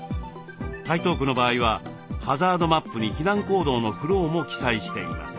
台東区の場合はハザードマップに避難行動のフローも記載しています。